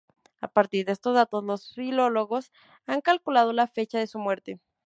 A partir de estos datos los filólogos han calculado la fecha de su muerte.